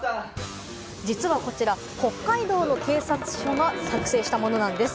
実はこちら、北海道の警察署が作成したものなんです。